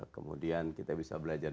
kemudian kita bisa belajar